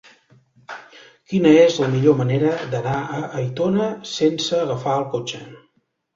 Quina és la millor manera d'anar a Aitona sense agafar el cotxe?